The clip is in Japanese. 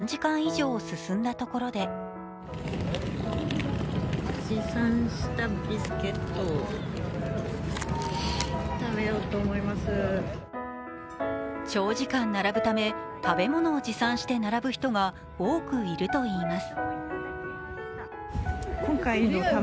行列に並び始めて３時間以上進んだところで長時間並ぶため、食べ物を持参して並ぶ人が多くいるといいます。